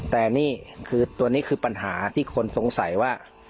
แต่นี่คือตัวนี้คือปัญหาที่คนสงสัยว่า